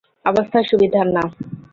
অবস্থা সুবিধার না।